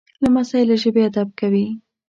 لمسی له ژبې ادب کوي.